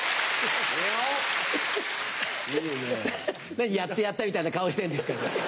何やってやったみたいな顔してんですか。